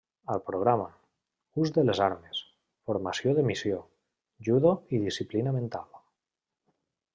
Al programa: ús de les armes, formació de missió, judo i disciplina mental.